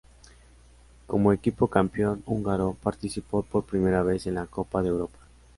Como equipo campeón húngaro, participó por primera vez en la Copa de Europa.